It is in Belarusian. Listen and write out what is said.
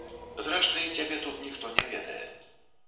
Зрэшты, цябе тут ніхто не ведае.